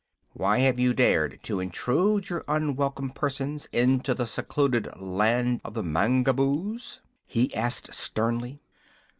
"Why have you dared to intrude your unwelcome persons into the secluded Land of the Mangaboos?" he asked, sternly.